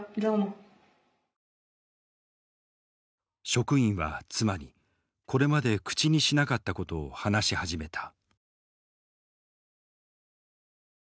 職員は妻にこれまで口にしなかったことを話し始めた。